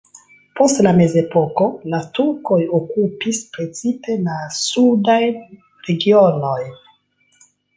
Post la mezepoko la turkoj okupis precipe la sudajn regionojn.